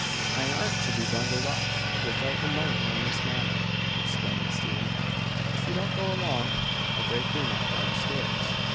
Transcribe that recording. "I ar'n't to be bundled off without the money in this manner," exclaimed the student. "If you don't go along, I'll break your neck downstairs!"